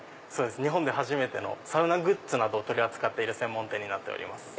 日本で初めてのサウナグッズなどを取り扱っている専門店です。